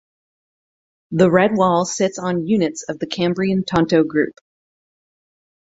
The Redwall sits on units of the Cambrian Tonto Group.